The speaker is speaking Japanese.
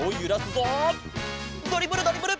ドリブルドリブル